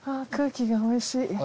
空気がおいしい。